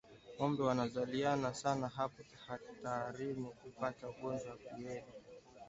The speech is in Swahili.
Ngombe wanaozaliana sana wapo hatarini kupata ugonjwa wa kiwele